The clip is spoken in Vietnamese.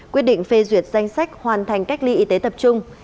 quyết định phê duyệt danh sách hoàn thành cách ly y tế tập trung